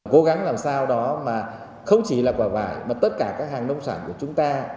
cố gắng làm sao đó mà không chỉ là quả vải mà tất cả các hàng nông sản của chúng ta